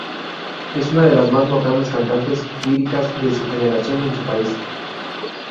Es una de las más notables cantantes líricas de su generación en su país.